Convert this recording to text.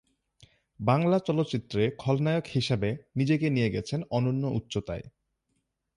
বাংলা চলচ্চিত্রে খলনায়ক হিসেবে নিজেকে নিয়ে গেছেন অনন্য উচ্চতায়।